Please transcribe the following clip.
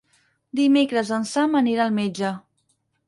Dimecres en Sam anirà al metge.